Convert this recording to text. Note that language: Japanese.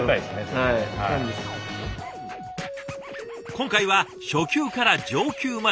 今回は初級から上級まで４クラス。